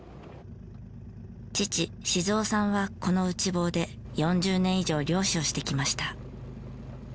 父志津夫さんはこの内房で４０年以上漁師をしてきました。